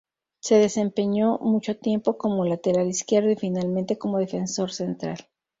Se desempeñó mucho tiempo como lateral izquierdo y finalmente como defensor central.